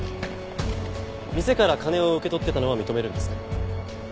店から金を受け取っていたのは認めるんですね？